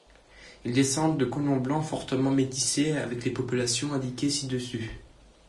Ils descendent de colons blancs fortement métissés avec les populations indiquées ci-dessus.